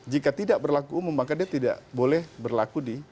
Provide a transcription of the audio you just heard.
jika tidak berlaku umum maka dia tidak boleh berlaku di